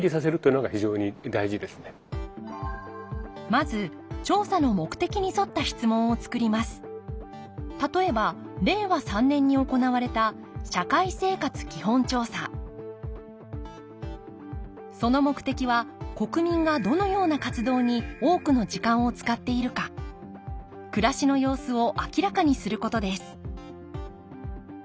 まず例えば令和３年に行われた社会生活基本調査その目的は国民がどのような活動に多くの時間を使っているか暮らしの様子を明らかにすることです